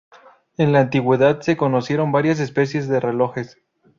En la antigüedad se conocieron varias especies de relojes.